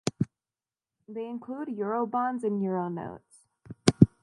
They include eurobonds and euronotes.